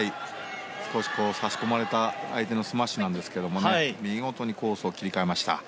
少し差し込まれた相手のスマッシュなんですけど見事にコースを切り替えました。